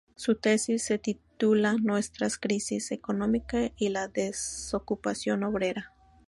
Su tesis se tituló “Nuestra crisis económica y la desocupación obrera".